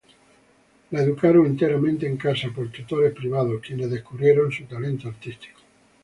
Fue educada enteramente en casa por tutores privados, quienes descubrieron su talento artístico.